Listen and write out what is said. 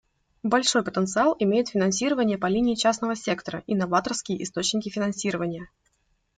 Большой потенциал имеют финансирование по линии частного сектора и новаторские источники финансирования.